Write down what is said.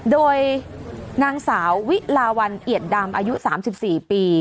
โดยนางสาววิลาวันเอียดดำอายุ๓๔ปี